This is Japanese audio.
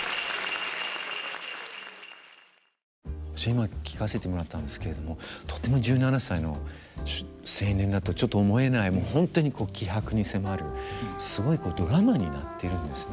今聴かせてもらったんですけれどもとても１７歳の青年だとちょっと思えない本当に気迫に迫るすごいドラマになってるんですね。